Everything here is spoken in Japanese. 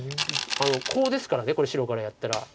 コウですから白からやったら。